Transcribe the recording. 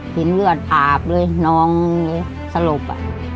ทิ้งเลือดอาบเลยน้องสรุป